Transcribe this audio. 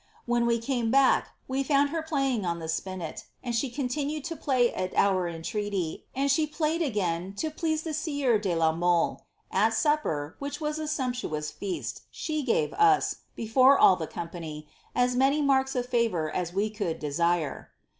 When we came back, we found her playing on ihe spinel, and she con 'Deipaichet of La Moihe Feneloa. * lUid. XLIIABBTH. 379 iBoed to play at oor entreaty, and she played again to please the sieur le la Mole. At sapper, which was a sumptuous feast, she gave us, lefore all the company, as many marks of favour as we could desire.